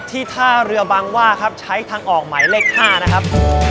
ท่าเรือบางว่าครับใช้ทางออกหมายเลข๕นะครับ